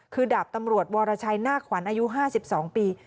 คือดาบตำรวจวรชัยหน้าขวัญอายุ๕๒ปี